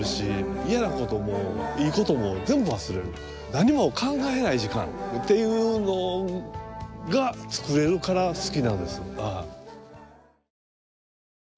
何も考えない時間っていうのが作れるから好きなんです。